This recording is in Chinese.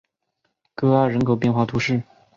戈阿人口变化图示